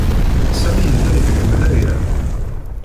Sami yella iḥemmel-aya.